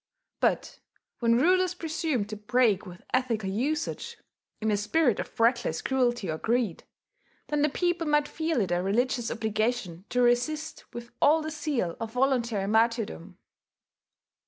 But when rulers presumed to break with ethical usage, in a spirit of reckless cruelty or greed, then the people might feel it a religious obligation to resist with all the zeal of voluntary martyrdom.